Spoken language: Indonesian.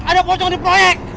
ada pocong di proyek